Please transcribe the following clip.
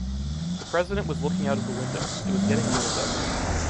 The president was looking out of the window, it was getting a little better.